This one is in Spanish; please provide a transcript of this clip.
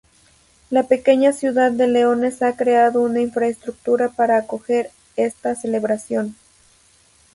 La pequeña ciudad de Leones ha creado una infraestructura para acoger esta celebración.